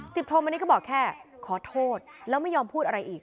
สิบโทนวันนี้เขาบอกแค่ขอโทษแล้วไม่ยอมพูดอะไรอีก